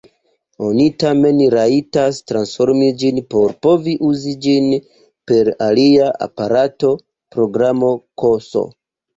Oni tamen rajtas transformi ĝin por povi uzi ĝin per alia aparato, programo ks.